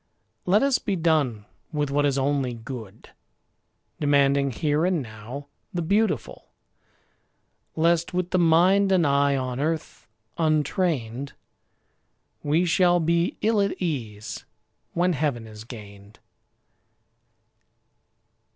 Let us be done with what is only good, Demanding here and now the beautiful; Lest, with the mind and eye on earth untrained, We shall be ill at ease when heaven is gained.